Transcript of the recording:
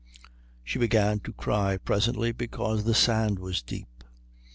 She began to cry presently because the sand was deep.